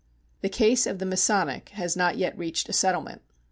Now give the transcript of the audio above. The case of the Masonic has not yet reached a settlement.